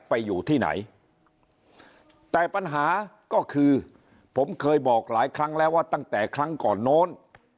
ไปอยู่ที่ไหนแต่ปัญหาก็คือผมเคยบอกหลายครั้งแล้วว่าตั้งแต่ครั้งก่อนโน้น